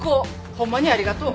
ホンマにありがとう。